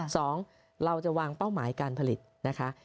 สองเราจะวางเป้าหมายการผลิตนะคะ